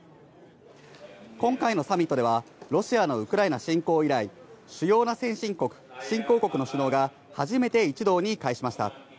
今回のサミットでは、ロシアのウクライナ侵攻以来、主要な先進国、新興国の首脳が初めて一堂に会しました。